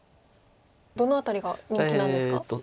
どの辺りが人気なんですか？